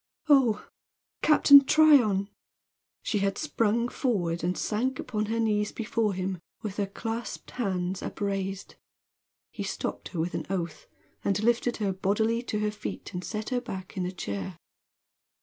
"Oh, Captain Tryon!" She had sprung forward and sank upon her knees before him with her clasped hands upraised. He stopped her with an oath, and lifted her bodily to her feet and set her back in her chair.